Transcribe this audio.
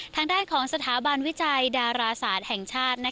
ทางด้านของสถาบันวิจัยดาราศาสตร์แห่งชาติ